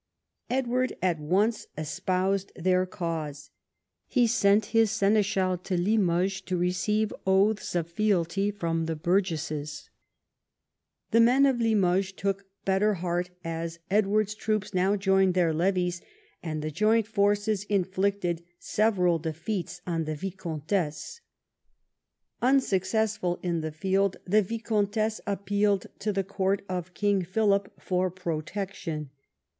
Edward at once espoused their cause. He sent his seneschal to Limoges to receive oaths of fealty from the burgesses. The men of Limoges took better heart as Edward's troops now joined their levies, and the joint forces inflicted several defeats on the viscountess. Unsuccessful in the field, the viscountess appealed to the court of King Philip for protection.